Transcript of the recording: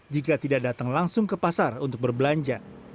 jika tidak datang langsung ke pasar untuk berbelanja